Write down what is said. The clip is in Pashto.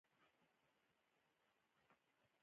لاس مینځل مکروبونه وژني